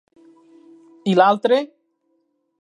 I l'altre??